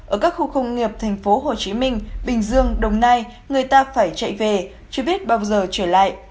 ở các khu công nghiệp thành phố hồ chí minh bình dương đồng nai người ta phải chạy về chứ biết bao giờ trở lại